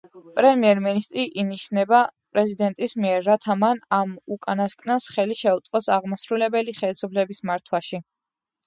პრემიერ-მინისტრი ინიშნება პრეზიდენტის მიერ, რათა მან ამ უკანასკნელს ხელი შეუწყოს აღმასრულებელი ხელისუფლების მართვაში.